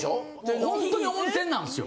本当に温泉なんですよ。